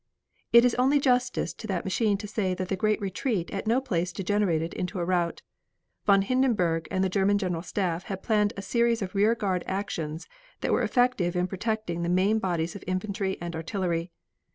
It is only justice to that machine to say that the great retreat at no place degenerated into a rout. Von Hindenburg and the German General Staff had planned a series of rear guard actions that were effective in protecting the main bodies of infantry and artillery.